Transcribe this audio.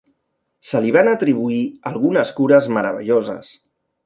Se li van atribuir algunes cures meravelloses.